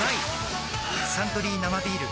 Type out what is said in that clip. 「サントリー生ビール」